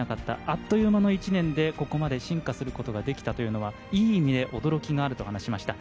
あっという間の１年で、ここまで進化することができたというのはいい意味で驚きがあると話しました。